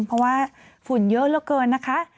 เพราะว่าฝุ่นเยอะเหลือเกินนะคะ